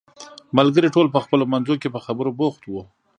ملګري ټول په خپلو منځو کې په خبرو بوخت وو.